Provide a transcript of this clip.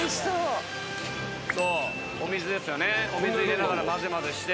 お水ですよねお水入れながら混ぜ混ぜして。